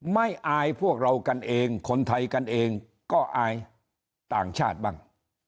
อายพวกเรากันเองคนไทยกันเองก็อายต่างชาติบ้าง